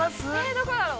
◆どこだろう？